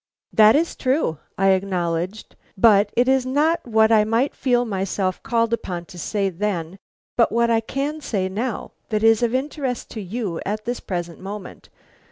"That is true," I acknowledged. "But it is not what I might feel myself called upon to say then, but what I can say now, that is of interest to you at this present moment.